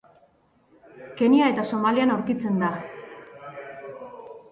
Kenia eta Somalian aurkitzen da.